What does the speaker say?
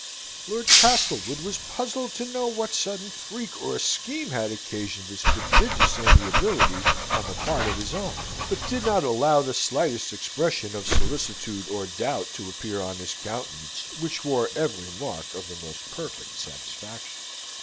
Lord Castlewood was puzzled to know what sudden freak or scheme had occasioned this prodigious amiability on the part of his aunt; but did not allow the slightest expression of solicitude or doubt to appear on his countenance, which wore every mark of the most perfect satisfaction.